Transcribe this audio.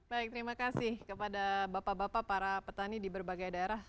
baik terima kasih kepada bapak bapak para petani di berbagai daerah